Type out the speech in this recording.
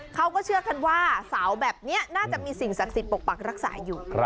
เขาก็เชื่อกันว่าเสาแบบนี้น่าจะมีสิ่งศักดิ์สิทธิ์ปกปักรักษาอยู่